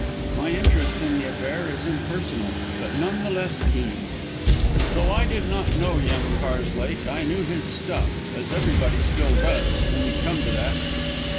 My interest in the affair is impersonal, but none the less keen. Though I did not know young Karslake, I knew his stuff as everybody still does, when you come to that.